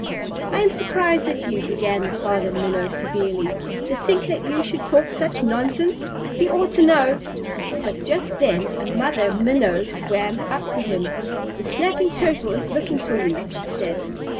"I am surprised at you," began the Father Minnow severely, "to think that you should talk such nonsense. You ought to know " But just then a Mother Minnow swam up to him. "The Snapping Turtle is looking for you," she said.